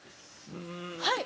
はい！